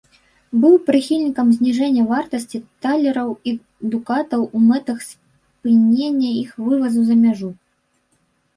Быў прыхільнікам зніжэння вартасці талераў і дукатаў у мэтах спынення іх вывазу за мяжу.